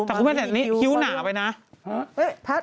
แต่พระเมฆราชนี้คิ้วหนาไปนะ